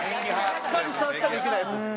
塚地さんしかできないやつです。